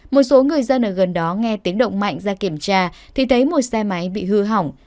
một số người dân ở gần đó nghe tiếng động mạnh ra kiểm tra thì thấy một xe máy bị hư hỏng